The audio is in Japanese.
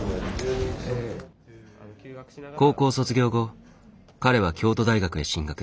高校卒業後彼は京都大学へ進学。